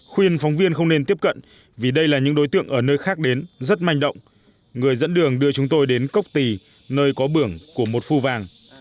khuyên phóng viên không nên tiếp cận vì đây là những đối tượng ở nơi khác đến rất manh động người dẫn đường đưa chúng tôi đến cốc tì nơi có bưởng của một phu vàng